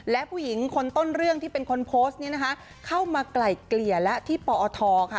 และผู้หญิงคนต้นเรื่องที่เป็นคนโพสต์นี้นะคะเข้ามาไกล่เกลี่ยและที่ปอทค่ะ